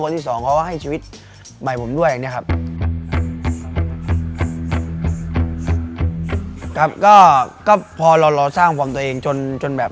ก็เพราะเราเราสร้างความตัวเองจนแบบ